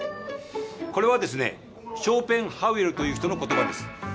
これはですねショーペンハウエルという人の言葉です。